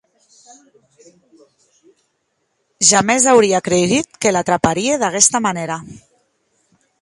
Jamès auria creigut que lo traparia d’aguesta manèra.